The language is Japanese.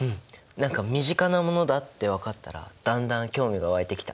何か身近なものだって分かったらだんだん興味が湧いてきた！